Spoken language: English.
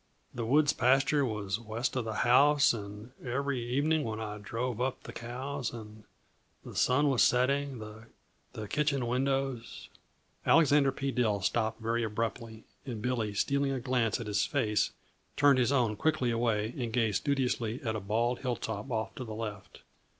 The woods pasture was west of the house, and every evening when I drove up the cows, and the sun was setting, the kitchen windows " Alexander P. Dill stopped very abruptly, and Billy, stealing a glance at his face, turned his own quickly away and gazed studiously at a bald hilltop off to the left.